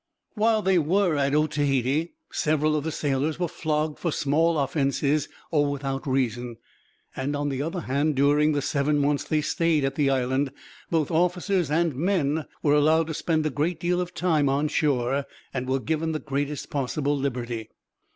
While they were at Otaheite, several of the sailors were flogged for small offences, or without reason, and on the other hand, during the seven months they stayed at the island, both officers and men were allowed to spend a great deal of time on shore, and were given the greatest possible liberty.